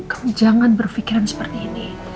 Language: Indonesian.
aku jangan berpikiran seperti ini